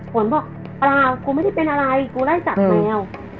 บอกเปล่ากูไม่ได้เป็นอะไรกูไล่กัดแมว